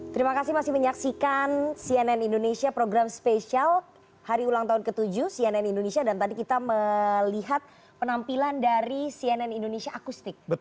terima kasih masih menyaksikan cnn indonesia program spesial hari ulang tahun ke tujuh cnn indonesia dan tadi kita melihat penampilan dari cnn indonesia akustik